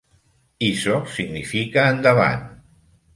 Iso significa endavant.